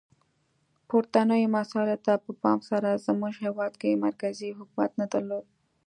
پورتنیو مسایلو ته په پام سره زموږ هیواد کې مرکزي حکومت نه درلود.